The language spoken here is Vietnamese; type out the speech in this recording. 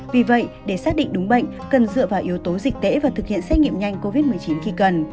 vì vậy để xác định đúng bệnh cần dựa vào yếu tố dịch tễ và thực hiện xét nghiệm nhanh covid một mươi chín khi cần